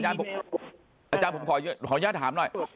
เดี๋ยวผมขออนุญาตถามอาจารย์ผมขออนุญาตถามหน่อย